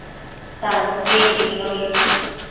tantiequi niosh